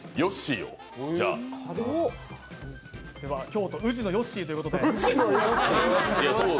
それでは京都宇治のヨッシーということで。